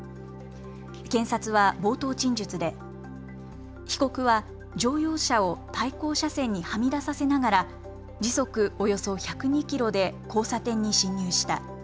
検察は冒頭陳述で被告は乗用車を対向車線にはみ出させながら時速およそ１０２キロで交差点に進入した。